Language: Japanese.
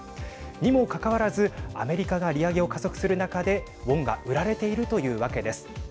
にもかかわらずアメリカが利上げを加速する中でウォンが売られているというわけです。